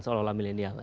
seolah olah milenial ya